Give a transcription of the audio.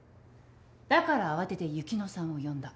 だから慌てて雪乃さんを呼んだ。